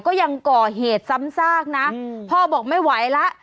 ก็ยังก่อเหตุซ้ำซากนะพ่อบอกไม่ไหวแล้ว